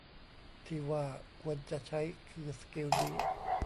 ที่ว่าควรจะใช้ คือสกิลนี้